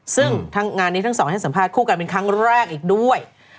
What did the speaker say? ซึ่งงานนี้ทั้งสองให้สัมภาษคู่กันเป็นครั้งแรกอีกด้วย